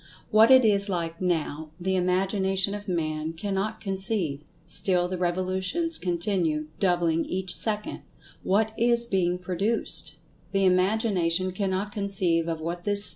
What it is like now, the imagination of Man cannot conceive. Still the revolutions continue, doubling each second. What is being produced? The imagination cannot conceive of what this state of Substance, now being reached, is like.